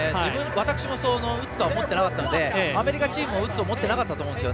私も打つとは思ってなかったのでアメリカも打つとは思ってなかったと思うんです。